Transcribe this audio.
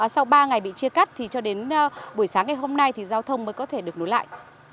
sau ba ngày bị chia cắt thì cho đến buổi sáng ngày hôm nay thì giao thông mới có thể được nối lại